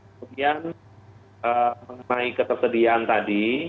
kemudian mengenai ketersediaan tadi